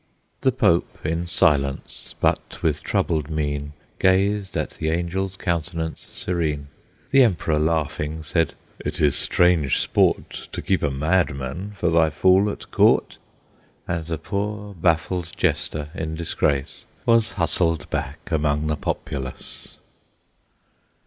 The Pope in silence, but with troubled mien, Gazed at the Angel's countenance serene; The Emperor, laughing, said, "It is strange sport To keep a madman for thy Fool at court!" And the poor, baffled Jester in disgrace Was hustled back among the populace.